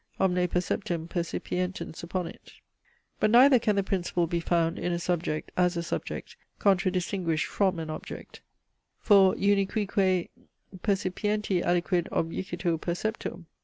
Omne perceptum percipientem supponit. But neither can the principle be found in a subject as a subject, contra distinguished from an object: for unicuique percipienti aliquid objicitur perceptum.